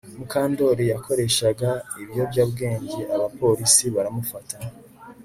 Mukandoli yakoreshaga ibiyobyabwenge abapolisi baramufata